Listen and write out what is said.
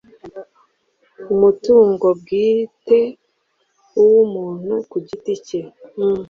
umutungo bwite uw umuntu ku giti cye